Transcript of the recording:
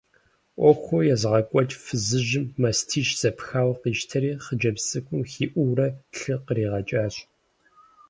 Ӏуэхур езыгъэкӏуэкӏ фызыжьым мастищ зэпхауэ къищтэри хъыджэбз цӏыкӏум хиӏуурэ лъы къригъэкӏащ.